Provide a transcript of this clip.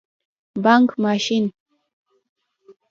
🏧 بانګ ماشین